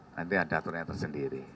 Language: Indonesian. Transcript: nanti ada aturannya tersendiri